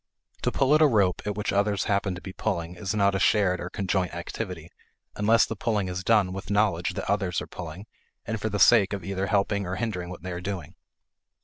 To pull at a rope at which others happen to be pulling is not a shared or conjoint activity, unless the pulling is done with knowledge that others are pulling and for the sake of either helping or hindering what they are doing.